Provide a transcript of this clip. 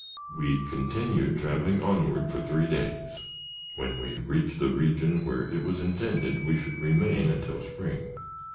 We continued traveling onward for three days, when we reached the region where it was intended we should remain until spring.